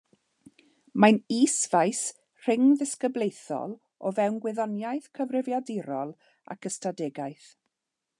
Mae'n is faes rhyngddisgyblaethol o fewn gwyddoniaeth gyfrifiadurol ac ystadegaeth.